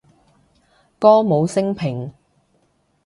歌舞昇平